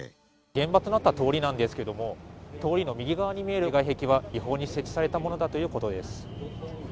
現場となった通りですが、右側に見える外壁は違法に設置されたものだということです。